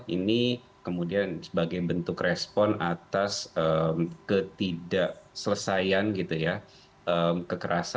ini kemudian sebagai bentuk respon atas ketidakselesaian kekerasan atau genosida